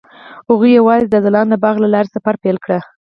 هغوی یوځای د ځلانده باغ له لارې سفر پیل کړ.